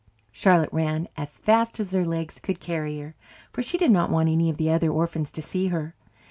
Charlotte ran as fast as her legs could carry her, for she did not want any of the other orphans to see her.